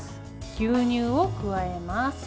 牛乳を加えます。